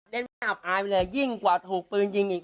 เล่นไม่อับอายไปเลยยิ่งกว่าถูกปืนยิงอีก